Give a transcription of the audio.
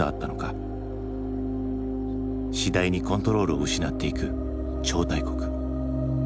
次第にコントロールを失っていく超大国。